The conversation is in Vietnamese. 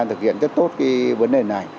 thực hiện rất tốt cái vấn đề này